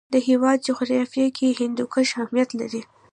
د هېواد جغرافیه کې هندوکش اهمیت لري.